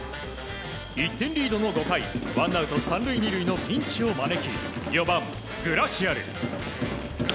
１点リードの５回ワンアウト３塁２塁のピンチを招き４番、グラシアル。